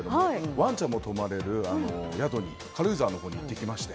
ワンちゃんも泊まれる宿に軽井沢のほうに行ってきまして。